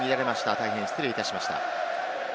大変失礼いたしました。